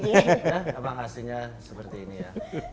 iya emang aslinya seperti ini ya